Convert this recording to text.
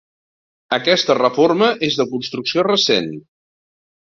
Aquesta reforma és de construcció recent.